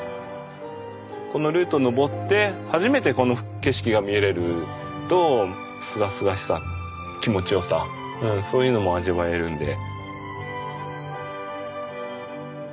このルートを登って初めてこの景色が見れるとすがすがしさ気持ちよさそういうのも味わえるんで。